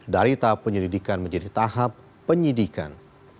dari tahap penyelidikan menjadi tahap penyidikan